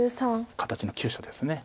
形の急所です。